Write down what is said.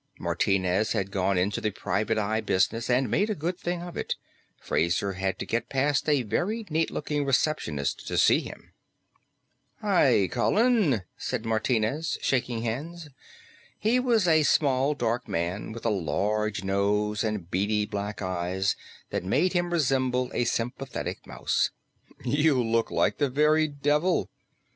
Martinez had gone into the private eye business and made a good thing of it; Fraser had to get past a very neat looking receptionist to see him. "Hi, Colin," said Martinez, shaking hands. He was a small, dark man, with a large nose and beady black eyes that made him resemble a sympathetic mouse. "You look like the very devil."